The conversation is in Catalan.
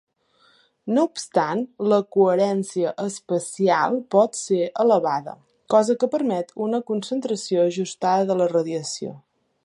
No obstant, la coherència espacial pot ser elevada, cosa que permet una concentració ajustada de la radiació.